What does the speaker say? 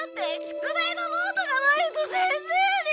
宿題のノートがないと先生に！